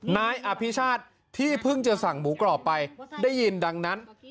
นายอภิชาติที่เพิ่งจะสั่งหมูกรอบไปได้ยินดังนั้น